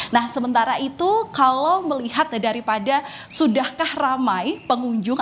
nah sementara itu kalau melihat daripada sudahkah ramai pengunjung